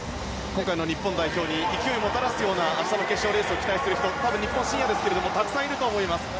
今回の日本代表に勢いをもたらすような明日の決勝レースに期待する人日本は深夜ですけどたくさんいると思います。